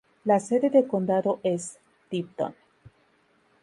La sede de condado es Tipton.